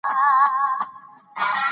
او مور دې غوړپ اوبه نه شي څښلی